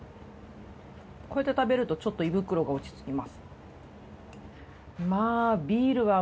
こうやって食べるとちょっと胃袋が落ち着きます。